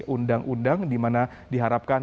undang undang dimana diharapkan